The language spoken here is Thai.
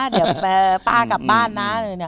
เดี๋ยวป้ากลับบ้านนะ